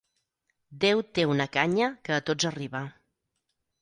Déu té una canya que a tots arriba.